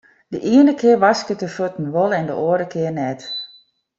De iene kear waskest de fuotten wol en de oare kear net.